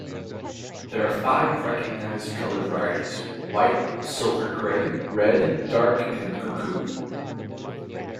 There are five recognised colour varieties: White, Silver-grey, Red, Dark and Cuckoo.